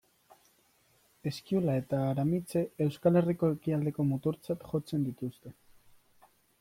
Eskiula eta Aramitse, Euskal Herriko ekialdeko muturtzat jotzen dituzte.